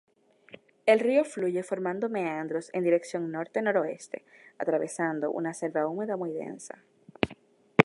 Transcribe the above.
El río fluye formando meandros en dirección norte-noroeste, atravesando una selva húmeda muy densa.